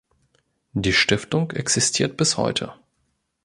Die Stiftung existiert bis heute.